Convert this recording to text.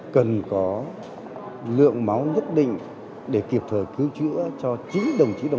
cần có lượng máu nhất